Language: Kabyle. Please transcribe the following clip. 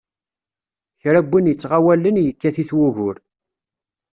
Kra n win ittɣawalen, yekkat-it wugur.